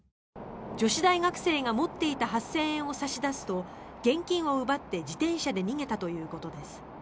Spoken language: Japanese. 女子大学生が持っていた８０００円を差し出すと現金を奪って自転車で逃げたということです。